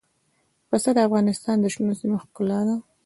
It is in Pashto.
پسه د افغانستان د شنو سیمو ښکلا ده.